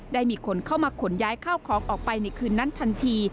มีคนเข้ามาขนย้ายข้าวของออกไปในคืนนั้นทันที